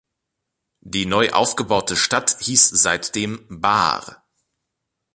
Die neu aufgebaute Stadt hieß seitdem "Bar".